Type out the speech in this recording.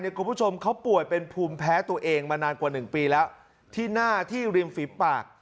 คุณผู้ชมเขาป่วยเป็นภูมิแพ้ตัวเองมานานกว่า๑ปีแล้วที่หน้าที่ริมฝีปาก